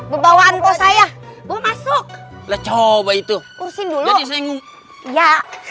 bawaan kau saya masuk coba itu urusin dulu ya